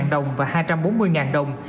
một trăm hai mươi đồng và hai trăm bốn mươi đồng